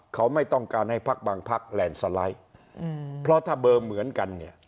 เขาไม่ต้องการให้พักบางพักแลนด์สไลด์เพราะถ้าเบอร์เหมือนกันเนี่ย